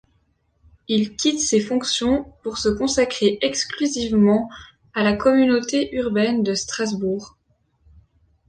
Il quitte ces fonctions pour se consacrer exclusivement à la communauté urbaine de Strasbourg.